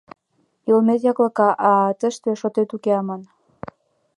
— Йылмет яклака, а тыште шотет уке аман.